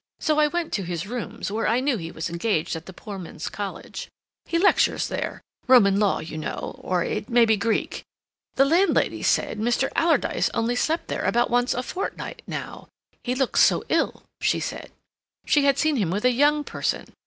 So I went to his rooms, when I knew he was engaged at the poor men's college. He lectures there—Roman law, you know, or it may be Greek. The landlady said Mr. Alardyce only slept there about once a fortnight now. He looked so ill, she said. She had seen him with a young person.